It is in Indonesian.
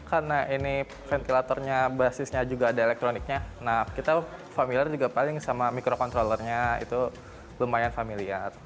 karena ini ventilatornya basisnya juga ada elektroniknya nah kita familiar juga paling sama mikrokontrollernya itu lumayan familiar